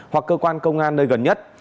hoặc cơ quan công an nơi gần nhất